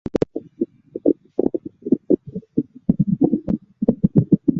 终仕礼部右侍郎。